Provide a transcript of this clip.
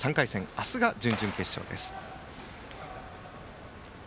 明日が準々決勝です。